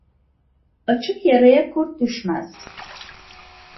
Açık yaraya kurt düşmez.